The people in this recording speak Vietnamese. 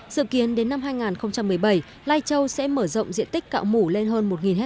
dự kiến đến năm hai nghìn một mươi bảy lai châu sẽ mở rộng diện tích cạo mủ lên hơn một ha